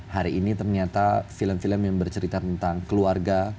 hari ini ternyata film film yang bercerita tentang keluarga